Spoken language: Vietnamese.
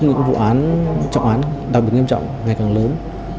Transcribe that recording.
những vụ án trọng án đặc biệt nghiêm trọng ngày càng lớn